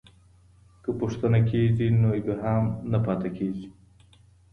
که پوښتنه کېږي نو ابهام نه پاته کېږي.